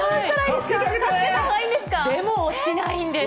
でも落ちないんです。